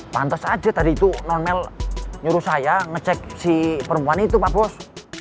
pantas aja tadi tuh non mel nyuruh saya ngecek si perempuan itu pak bos